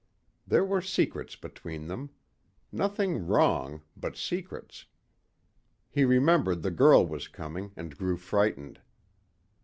There were secrets between them. Nothing wrong, but secrets. He remembered the girl was coming and grew frightened.